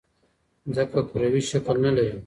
ځمکه کروی شکل نه لري.